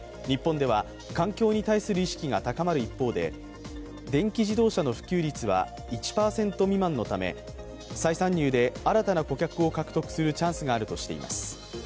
日本では環境に対する意識が高まる一方で電気自動車の普及率は１％未満のため、再参入で新たな顧客を獲得するチャンスがあるとしています。